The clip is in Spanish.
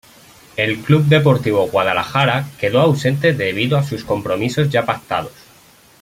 El Club Deportivo Guadalajara quedó ausente debido a sus compromisos ya pactados.